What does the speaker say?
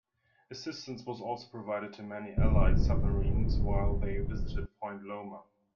Assistance was also provided to many Allied submarines while they visited Point Loma.